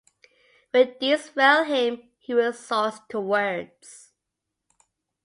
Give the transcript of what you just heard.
When deeds fail him, he resorts to words.